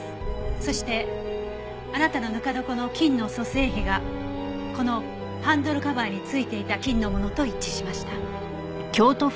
そしてあなたのぬか床の菌の組成比がこのハンドルカバーについていた菌のものと一致しました。